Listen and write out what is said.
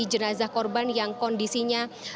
jenazah korban yang kondisinya